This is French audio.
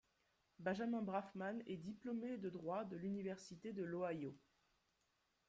Benjamin Brafman est diplômé de droit de l'université de l'Ohio.